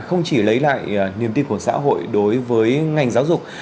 không chỉ lấy lại niềm tin của xã hội đối với ngành giáo dục